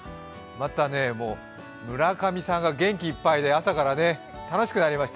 またね、村上さんが元気いっぱいで朝からね、楽しくなりました。